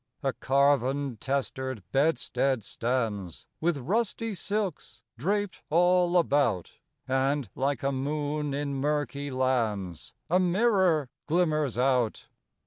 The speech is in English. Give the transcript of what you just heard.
A carven, testered bedstead stands With rusty silks draped all about; And, like a moon in murky lands, A mirror glimmers out.